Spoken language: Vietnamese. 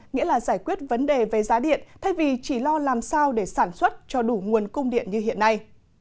nghĩa là giải quyết vấn đề về giá điện thay vì chỉ lo làm sao để sản xuất cho đủ nguồn cung điện như hiện nay